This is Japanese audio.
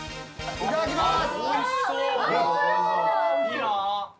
いただきます。